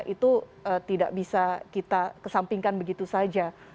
itu tidak bisa kita kesampingkan begitu saja